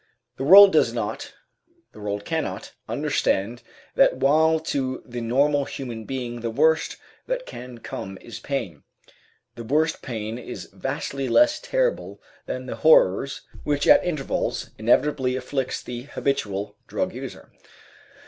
The world does not, the world cannot, understand that while to the normal human being the worst that can come is pain, the worst pain is vastly less terrible than the horrors which at intervals inevitably afflict the habitual drug user.